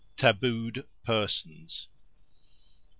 Tabooed Persons 1.